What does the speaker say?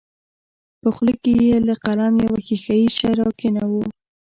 په خوله کښې يې لکه قلم يو ښيښه يي شى راکښېښوو.